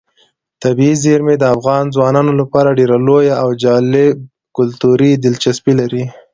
طبیعي زیرمې د افغان ځوانانو لپاره ډېره لویه او جالب کلتوري دلچسپي لري.